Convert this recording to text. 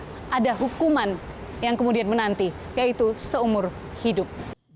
apakah ada hukuman yang kemudian menanti yaitu seumur hidup